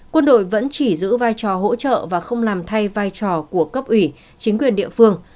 quân đội vẫn chỉ giữ vai trò hỗ trợ và không làm thay vai trò của cấp ủy chính quyền địa phương